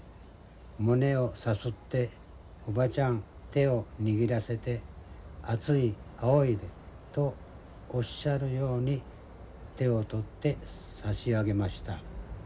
おばちゃん手を握らせて熱いあおいでとおっしゃるように手を取って差し上げました。